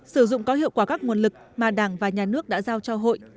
sử dụng có hiệu quả các nguồn lực mà đảng và nhà nước đã giao cho hội